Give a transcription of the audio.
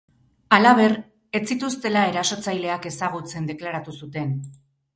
Halaber, ez zituztela erasotzaileak ezagutzen deklaratu zuten.